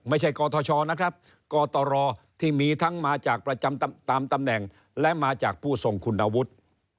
ไม่ใช่กทชนะครับกตรที่มีทั้งมาจากประจำตามตำแหน่งและมาจากผู้ทรงคุณวุฒิ